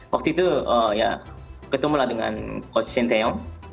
waktu itu ya ketemu lah dengan coach shin taeyong